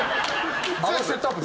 あのセットアップ